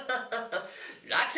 落選！